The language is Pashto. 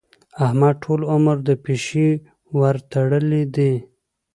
احمد ټول عمر د پيشي ورتړلې دي.